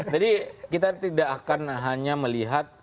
jadi kita tidak akan hanya melihat